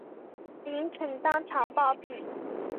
林肯当场暴毙。